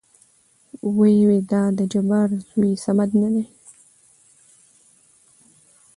ويېېې دا د جبار زوى صمد نه دى ؟